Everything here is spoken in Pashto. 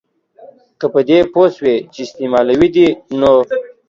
که په دې پوه سوې چي استعمالوي دي نو